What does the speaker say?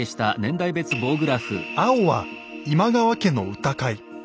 青は今川家の歌会。